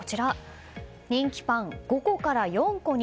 人気パン５個から４個に。